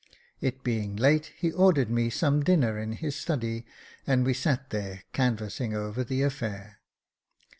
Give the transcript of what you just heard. It being late, he ordered me some dinner in his study, and we sat there can vassing over the affair.